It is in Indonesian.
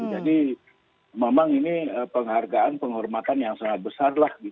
memang ini penghargaan penghormatan yang sangat besar lah